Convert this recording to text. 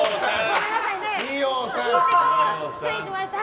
失礼しました。